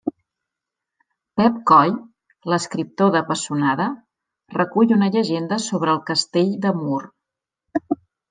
Pep Coll, l'escriptor de Pessonada, recull una llegenda sobre el castell de Mur.